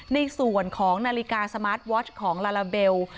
ในส่วนของนาฬิกาสมาร์ทวอชของลาลาเบล